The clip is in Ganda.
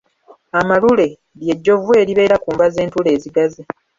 Amalule lye jjovu eribeera ku nva z’entula ezigaze.